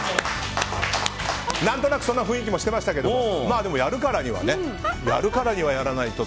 何となくそんな雰囲気もしてましたけどでもやるからにはやらないと。